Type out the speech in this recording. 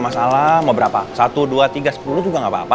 masalah mau berapa satu dua tiga sepuluh juga nggak apa apa